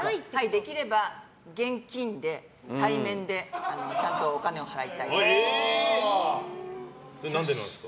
できれば現金で対面でちゃんとお金を払いたいです。